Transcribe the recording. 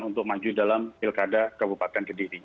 untuk maju dalam pilkada kabupaten kediri